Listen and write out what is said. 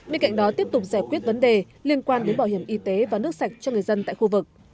bên cạnh đó tiếp tục giải quyết vấn đề liên quan đến bảo hiểm y tế và nước sạch cho người dân tại khu vực